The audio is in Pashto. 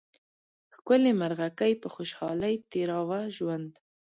ښکلې مرغکۍ په خوشحالۍ تېراوه ژوند